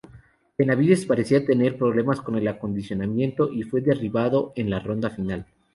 Benavidez parecía tener problemas con el acondicionamiento y fue derribado en la ronda final.